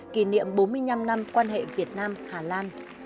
kỷ niệm bốn mươi năm năm quan hệ việt nam hà lan